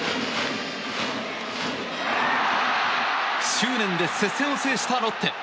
執念で接戦を制したロッテ。